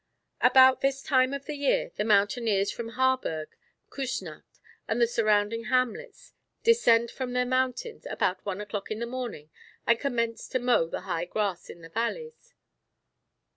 About this time of the year the mountaineers from Harberg, Kusnacht and the surrounding hamlets descend from their mountains about one o'clock in the morning and commence to mow the high grass in the valleys.